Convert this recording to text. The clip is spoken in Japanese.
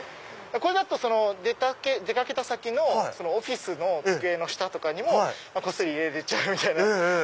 これだと出掛けた先のオフィスの机の下とかにもこっそり入れられちゃうみたいな。